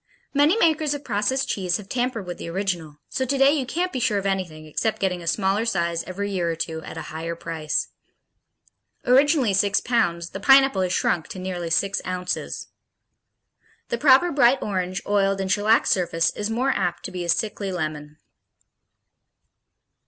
Many makers of processed cheese have tampered with the original, so today you can't be sure of anything except getting a smaller size every year or two, at a higher price. Originally six pounds, the Pineapple has shrunk to nearly six ounces. The proper bright orange, oiled and shellacked surface is more apt to be a sickly lemon.